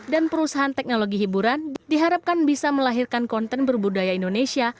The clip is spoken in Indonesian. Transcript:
dan perusahaan teknologi hiburan diharapkan bisa melahirkan konten berbudaya indonesia